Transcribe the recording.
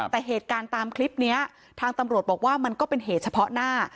แต่เหตุการณ์ตามคลิปนี้ทางตำรวจบอกว่ามันก็เป็นเหตุเฉพาะหน้า